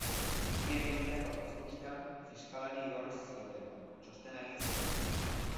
Bi helegiteak aurkeztu ostean, fiskalari igorri zizkioten, txostena egin zezan.